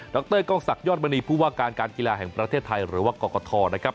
รกล้องศักดิยอดมณีผู้ว่าการการกีฬาแห่งประเทศไทยหรือว่ากรกฐนะครับ